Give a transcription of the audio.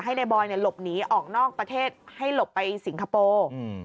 ในบอยเนี่ยหลบหนีออกนอกประเทศให้หลบไปสิงคโปร์